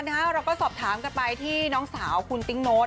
เราก็สอบถามกันไปที่น้องสาวคุณติ๊งโน้ต